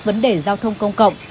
vấn đề giao thông công cộng